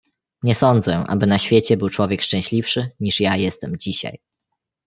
"Nie sadzę, aby na świecie był człowiek szczęśliwszy, niż ja jestem dzisiaj."